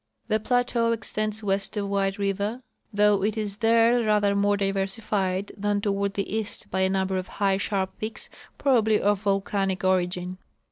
The plateau extends Avest of White river, though it is there rather more diversified than toward the east by a number of high sharjo peaks, probably of A'olcanic origin.